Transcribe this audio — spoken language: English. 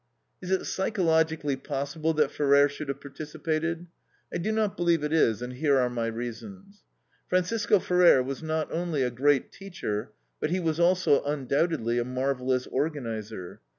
Is it psychologically possible that Ferrer should have participated? I do not believe it is, and here are my reasons. Francisco Ferrer was not only a great teacher, but he was also undoubtedly a marvelous organizer.